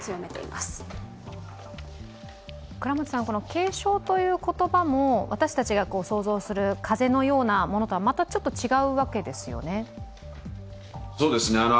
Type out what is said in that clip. この軽症という言葉も私たちが想像する風邪のようなものとは、またちょっと違うわけですよね。